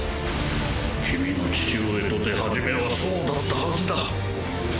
君の父上とて初めはそうだったはずだ。